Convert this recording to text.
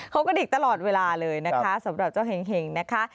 เขากระดิกตลอดเวลาเลยนะคะสำหรับเจ้าเห็งนะคะ